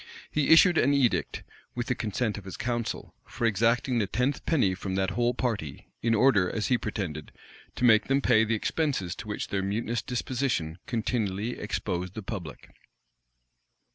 He issued an edict, with the consent of his council, for exacting the tenth penny from that whole party; in order, as he pretended, to make them pay the expenses to which their mutinous disposition continually exposed the public.